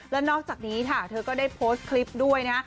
และนอกจากนี้ค่ะเธอก็ได้โพสต์คลิปด้วยนะ